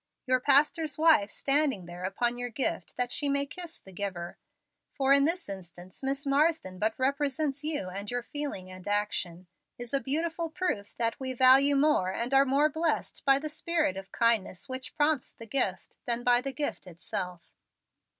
Your pastor's wife standing there upon your gift that she may kiss the giver (for in this instance Miss Marsden but represents you and your feeling and action) is a beautiful proof that we value more and are more blessed by the spirit of kindness which prompts the gift than by the gift itself.